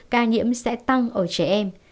ca nhiễm sẽ tăng ở trẻ em